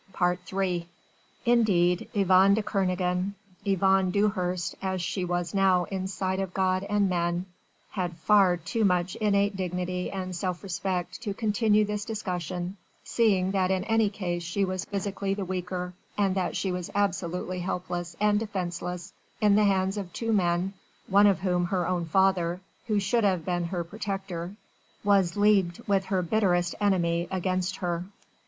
III Indeed, Yvonne de Kernogan Yvonne Dewhurst as she was now in sight of God and men had far too much innate dignity and self respect to continue this discussion, seeing that in any case she was physically the weaker, and that she was absolutely helpless and defenceless in the hands of two men, one of whom her own father who should have been her protector, was leagued with her bitterest enemy against her.